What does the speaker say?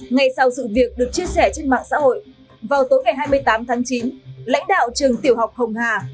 ngay sau sự việc được chia sẻ trên mạng xã hội vào tối ngày hai mươi tám tháng chín lãnh đạo trường tiểu học hồng hà